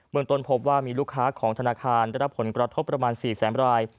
เมืองต้นพบว่ามีลูกค้าของธนาคารได้รับผลกระทบประมาณ๔แสนราย